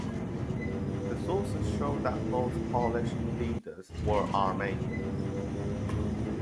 The sources show that most Paulician leaders were Armenians.